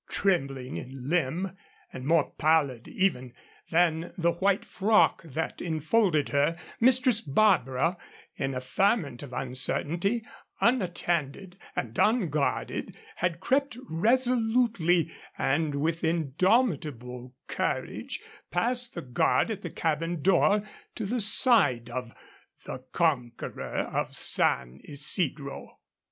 Trembling in limb and more pallid even than the white frock that enfolded her, Mistress Barbara, in a ferment of uncertainty, unattended and unguarded, had crept resolutely and with indomitable courage past the guard at the cabin door to the side of the conqueror of San Isidro.